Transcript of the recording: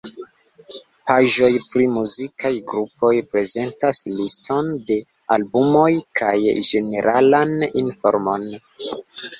Paĝoj pri muzikaj grupoj prezentas liston de albumoj kaj ĝeneralan informon.